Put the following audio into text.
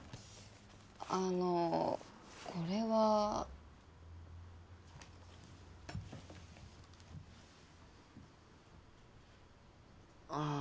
あのこれはあ